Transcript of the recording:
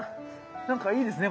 なんかいいですね